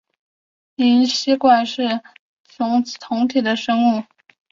灵吸怪是雌雄同体的生物。